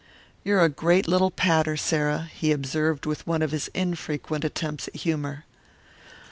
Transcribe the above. "You're a great little patter, Sarah," he observed with one of his infrequent attempts at humour.